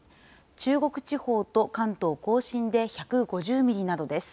中国地方と関東甲信で１５０ミリなどです。